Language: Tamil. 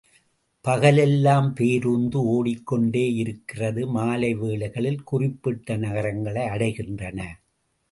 பகலெல்லாம் பேருந்து ஓடிக்கொண்டே இருக்கிறது மாலை வேளைகளில் குறிப்பிட்ட நகரங்களை அடைகின்றன.